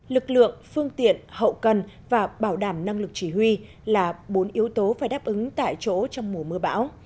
lực lượng phương tiện hậu cần và bảo đảm năng lực chỉ huy là bốn yếu tố phải đáp ứng tại chỗ trong mùa mưa bão